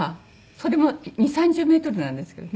それも２０３０メートルなんですけどね。